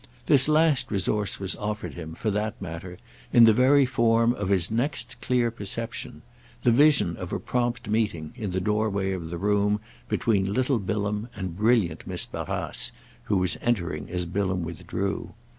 This last resource was offered him, for that matter, in the very form of his next clear perception—the vision of a prompt meeting, in the doorway of the room, between little Bilham and brilliant Miss Barrace, who was entering as Bilham withdrew.